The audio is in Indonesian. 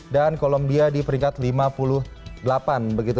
dan columbia di peringkat lima puluh delapan